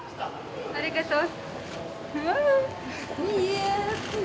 ありがとう。